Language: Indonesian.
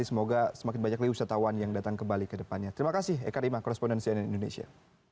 semoga semakin banyak lagi wisatawan yang datang ke bali ke depannya terima kasih eka rima korespondensi ann indonesia